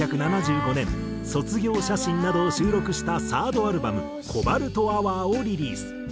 １９７５年『卒業写真』などを収録した３ｒｄアルバム『ＣＯＢＡＬＴＨＯＵＲ』をリリース。